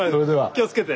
気をつけて。